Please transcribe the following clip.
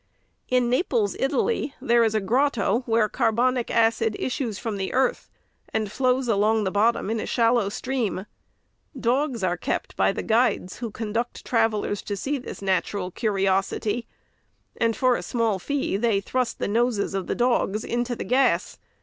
In Na ples, Italy, there is a grotto, where carbonic acid issues from the earth, arid flows along the bottom in a shallow stream. Dogs are kept by the guides who conduct trav ellers to see this natural curiosity, and, for a small fee, they thrust the noses of the dogs into the gas.